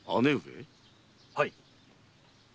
はい。